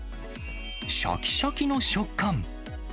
しゃきしゃきの食感。